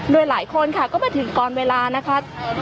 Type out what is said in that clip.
โดยหลายคนค่ะก็มาถึงก่อนเวลานะคะ